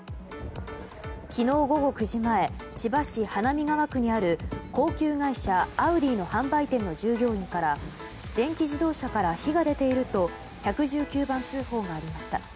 昨日午後９時前千葉市花見川区にある高級外車アウディの販売店の従業員から電気自動車から火が出ていると１１９番通報がありました。